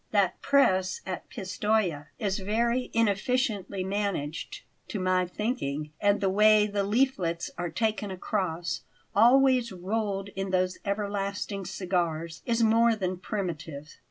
That press at Pistoja is very inefficiently managed, to my thinking; and the way the leaflets are taken across, always rolled in those everlasting cigars, is more than primitive."